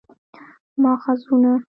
ماخذونه: